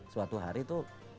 suatu hari tuh